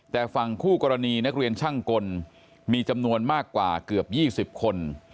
แต่ฝั่งคู่กรณีนักเรียนช่างกลมีจำนวนมากกว่าเกือบ๒๐คน